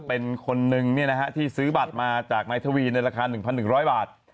เป็นคนนึงที่ซื้อบัตรมาจากนายทวีในราคา๑๑๐๐บาท